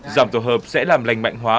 giảm tổ hợp sẽ làm lành mạnh hóa